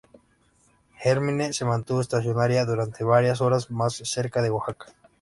Hermine se mantuvo estacionaria durante varias horas más, cerca de Oaxaca.